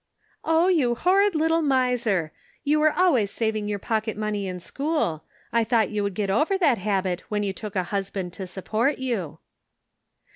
" Oh, you horrid little miser ! You were always saving your pocket money in school. I thought you would get over that habit when you took a husband to support you."